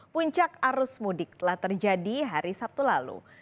puncak arus mudik telah terjadi hari sabtu lalu